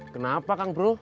kenapa kang bro